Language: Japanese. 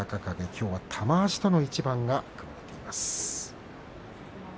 きょうは玉鷲との一番が組まれています。